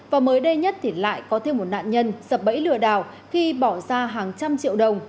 và mới đây nhất thì lại có thêm một nạn nhân sập bẫy lừa đảo khi bỏ ra hàng trăm triệu đồng